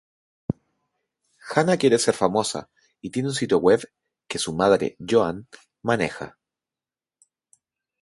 Hannah quiere ser famosa y tiene un sitio web que su madre, Joan, maneja.